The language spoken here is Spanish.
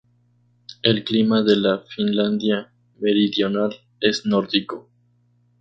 El clima de la Finlandia meridional es nórdico.